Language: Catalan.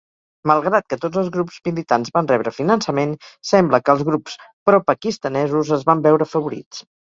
Malgrat que tots els grups militants van rebre finançament, sembla que els grups propakistanesos es van veure afavorits.